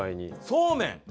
そうめん！